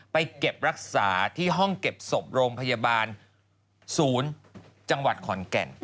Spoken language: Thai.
เก็บรักษาที่ห้องเก็บศพโรงพยาบาลศูนย์จังหวัดขอนแก่น